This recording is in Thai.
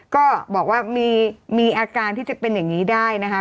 ก็บอกว่ามีอาการที่จะเป็นอย่างนี้ได้นะคะ